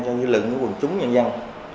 cho lượng quần chúng nhân dân